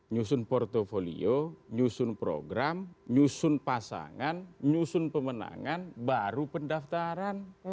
nyusun portfolio nyusun program nyusun pasangan nyusun pemenangan baru pendaftaran